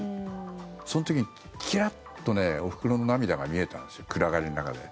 その時にキラッとおふくろの涙が見えたんですよ、暗がりの中で。